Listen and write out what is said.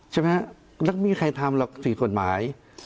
ใช่ไหมแล้วไม่มีใครทำหรอก๔กฎหมาย